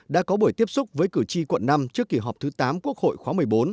đã có buổi tiếp xúc với cử tri quận năm trước kỳ họp thứ tám quốc hội khóa một mươi bốn